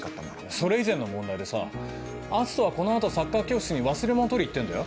それ以前の問題でさ篤斗はこの後サッカー教室に忘れ物取りに行ってんだよ。